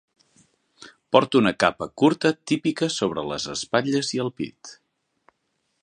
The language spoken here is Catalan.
Porta una capa curta típica sobre les espatlles i el pit.